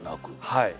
はい。